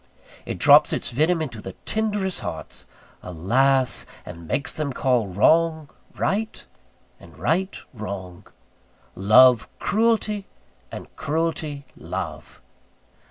It drops its venom into the tenderest hearts, alas! and makes them call wrong, right; and right, wrong; love, cruelty; and cruelty, love.